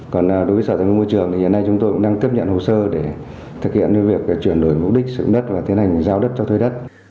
còn đối với sở tài nguyên môi trường thì hiện nay chúng tôi cũng đang tiếp nhận hồ sơ để thực hiện việc chuyển đổi mục đích sử dụng đất và tiến hành giao đất cho thuê đất